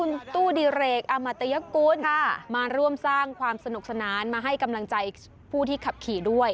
คุณตู้ดิเรกอมัตยกุลมาร่วมสร้างความสนุกสนานมาให้กำลังใจผู้ที่ขับขี่ด้วย